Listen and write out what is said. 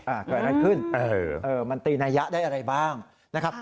อ่าเกิดอะไรขึ้นมันตีนายะได้อะไรบ้างนะครับ